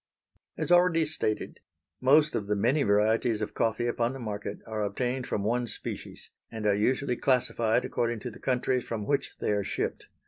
As already stated, most of the many varieties of coffee upon the market are obtained from one species, and are usually classified according to the countries from which they are shipped.